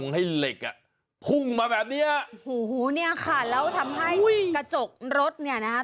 ให้เหล็กอ่ะพุ่งมาแบบเนี้ยโอ้โหเนี่ยค่ะแล้วทำให้กระจกรถเนี่ยนะคะ